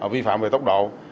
vi phạm về tốc độ